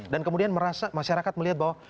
kemudian merasa masyarakat melihat bahwa